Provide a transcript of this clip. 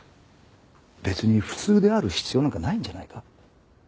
別に普通である必要なんかないんじゃないか？